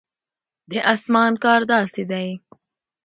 د اسمان کار داسې دی.